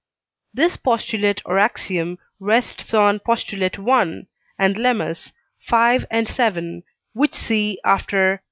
This postulate or axiom rests on Postulate i. and Lemmas v. and vii., which see after II.